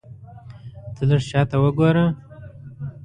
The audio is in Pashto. ته لږ شاته وګوره !